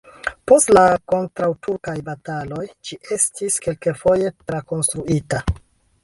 Post la kontraŭturkaj bataloj ĝi estis kelkfoje trakonstruita.